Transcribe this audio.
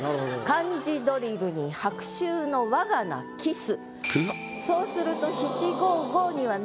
「漢字ドリルに白秋の我が名記す」。